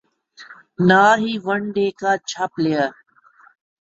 نہ ہی one day کا اچھا پلئیر